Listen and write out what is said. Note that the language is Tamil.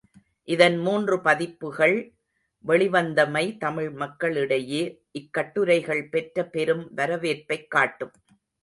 இதன் மூன்று பதிப்புகள் வெளிவந்தமை தமிழ் மக்களிடையே இக்கட்டுரைகள் பெற்ற பெரும் வரவேற்பைக் காட்டும்.